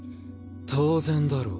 当然だろう。